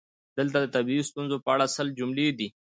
دلته د طبیعي ستونزو په اړه سل جملې دي: